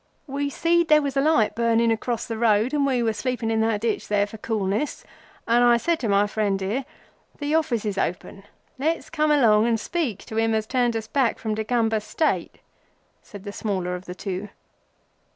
"We see there was a light burning across the road and we were sleeping in that ditch there for coolness, and I said to my friend here, the office is open. Let's come along and speak to him as turned us back from the Degumber State," said the smaller of the two.